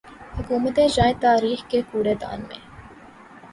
حکومتیں جائیں تاریخ کے کوڑے دان میں۔